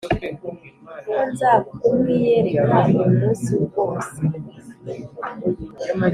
ko nza kumwiyereka uyu munsi rwose